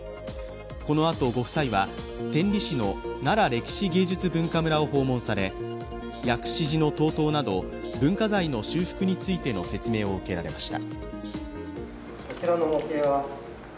このあとご夫妻は、天理市のなら歴史芸術文化村を訪問され、藥師寺の東塔など文化財の修復についての説明を受けられました。